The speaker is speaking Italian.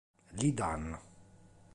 Li Dan